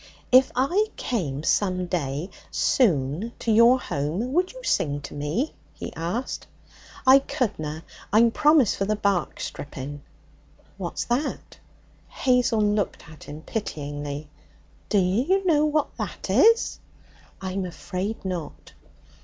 'If I came some day soon to your home, would you sing to me?' he asked. 'I couldna. I'm promised for the bark stripping.' 'What's that?' Hazel looked at him pityingly. 'Dunna you know what that is?' 'I'm afraid not.'